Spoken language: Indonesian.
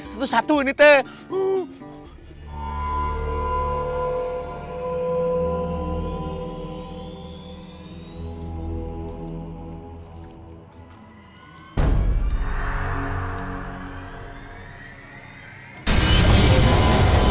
satu satu ini kek